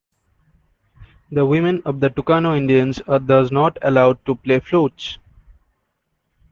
The women of the Tukano Indians are thus not allowed to play flutes.